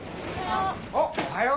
おはよう。